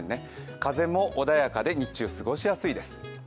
風も穏やかで日中過ごしやすいです。